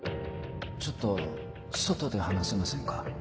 ちょっと外で話せませんか？